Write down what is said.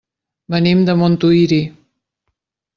Venim de Montuïri.